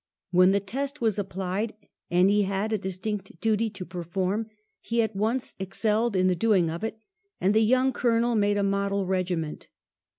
When the test was applied, and he had a distinct duty to perform, he at once excelled in the doing of it, and the young colonel made a model regiment.